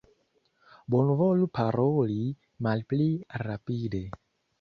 Bonvolu paroli malpli rapide!